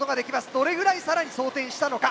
どれぐらい更に装填したのか。